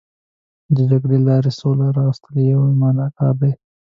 د جګړې له لارې سوله راوستل یو بې معنا کار دی.